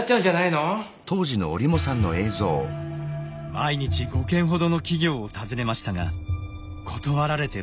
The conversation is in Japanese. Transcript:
毎日５軒ほどの企業を訪ねましたが断られてばかり。